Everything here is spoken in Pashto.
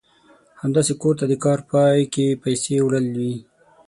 همداسې کور ته د کار پای کې پيسې وړل وي.